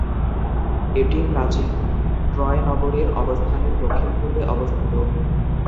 এটি প্রাচীন ট্রয় নগরীর অবস্থানের দক্ষিণ-পূর্বে অবস্থিত।